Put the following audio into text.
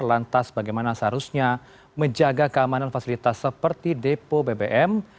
lantas bagaimana seharusnya menjaga keamanan fasilitas seperti depo bbm